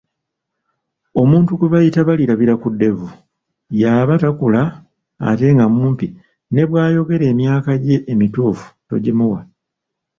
Omuntu gwe bayita Balirabirakuddevu yaba takula ate nga mumpi, ne bwayogera emyaka gye emituufu togimuwa.